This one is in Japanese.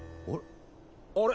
あれ？